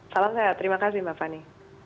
salam sehat terima kasih mbak fani